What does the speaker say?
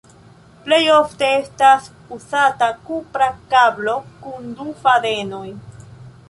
Plej ofte estas uzata kupra kablo kun du fadenoj.